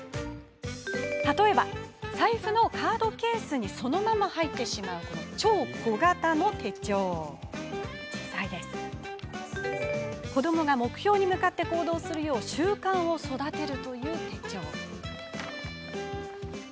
例えば、財布のカードケースにそのまま入ってしまう超小型の手帳に子どもが目標に向かって行動するよう習慣を育てるという手帳。